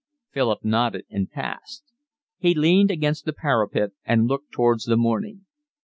Philip nodded and passed. He leaned against the parapet and looked towards the morning.